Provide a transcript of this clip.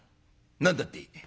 「何だって？」。